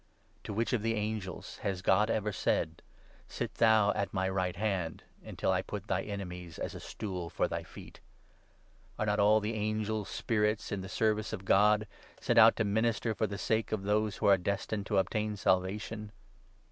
To which of the angels has God ever said — 13 ' Sit thou at my right hand Until I put thy enemies as a stool for thy feet '? Are not all the angels spirits in the service of God, sent out to 14 minister for the sake of those who are destined to obtain Salvation